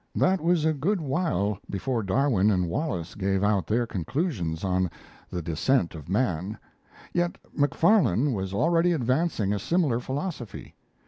That was a good while before Darwin and Wallace gave out their conclusions on the Descent of Man; yet Macfarlane was already advancing a similar philosophy.